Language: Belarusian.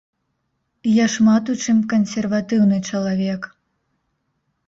Я шмат у чым кансерватыўны чалавек.